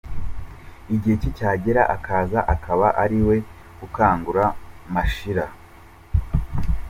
Igihe cye cyagera akaza, akaba ari we ukangura Mashira.